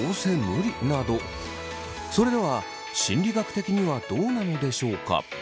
それでは心理学的にはどうなんでしょうか。